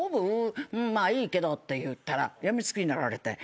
「まあいいけど」って言ったら病みつきになられて。